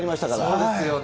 そうですよね。